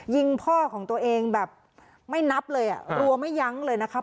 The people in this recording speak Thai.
ยิงพ่อของตัวเองแบบไม่นับเลยอ่ะรัวไม่ยั้งเลยนะครับ